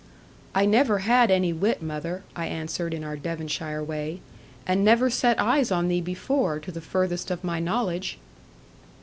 'I never had any wit, mother,' I answered in our Devonshire way; 'and never set eyes on thee before, to the furthest of my knowledge.'